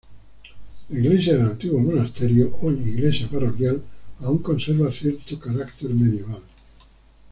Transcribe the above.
La iglesia del antiguo monasterio, hoy iglesia parroquial, aún conserva cierto carácter medieval.